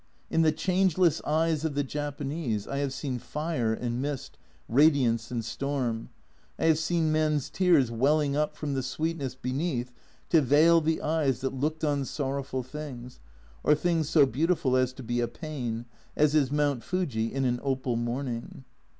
In the "changeless eyes" of the Japanese I have seen fire and mist, radiance and storm. I have seen men's tears welling up from the sweetness beneath to veil the eyes that looked on sorrowful things, or things so beautiful as to be a pain as is Mount Fuji in an opal morning.